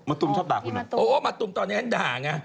มะตุ๋มชอบด่าคุณหนึ่งโอ้โหมะตุ๋มตอนนี้ด่าง่ะ